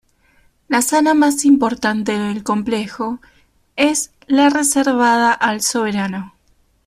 La sala más importante del complejo es la reservada al soberano.